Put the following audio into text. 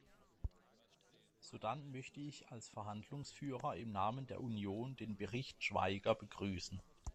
Sodann möchte ich als Verhandlungsführer im Namen der Union den Bericht Schwaiger begrüßen.